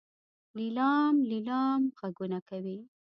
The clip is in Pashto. لیلام لیلام غږونه کوي.